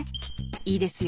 いいですよ